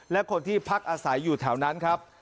และคนที่พักอาศัยอยู่แถวนั้นครับ